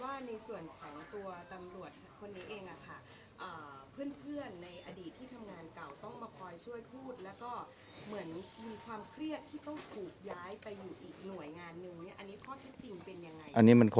อันนี้ข้อที่จริงเป็นยังไง